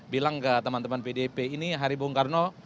bilang ke teman teman pdp ini hari bung karno